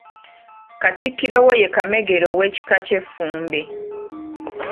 Katikkiro we ye Kamegere ow'ekika ky'Effumbe.